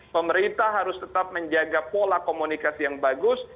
pemerintah harus tetap menjaga pola komunikasi yang bagus